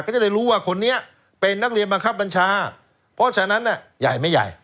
ก็จะได้รู้ว่าคนนี้เป็นนักเรียนบังคับบัญชาเพราะฉะนั้นใหญ่ไม่ใหญ่